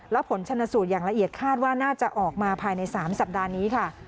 และผลชนสูตรอย่างละเอียดคาดว่าน่าจะออกมาภายใน๓สัปดาห์นี้ค่ะ